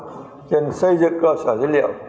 chính xây dựng cơ sở dữ liệu